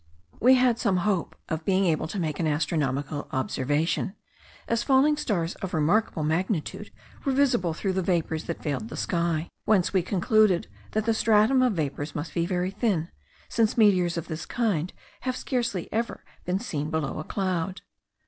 We had some hope of being able to make an astronomical observation, as falling stars of remarkable magnitude were visible through the vapours that veiled the sky; whence we concluded that the stratum of vapours must be very thin, since meteors of this kind have scarcely ever been seen below a cloud.